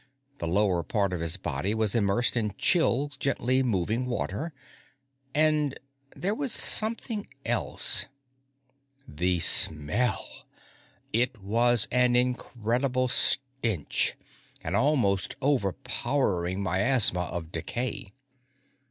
The lower part of his body was immersed in chill, gently moving water. And there was something else The smell. It was an incredible stench, an almost overpowering miasma of decay.